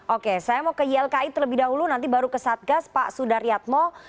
oke saya mau ke ylki terlebih dahulu nanti baru ke satgas pak sudaryatmo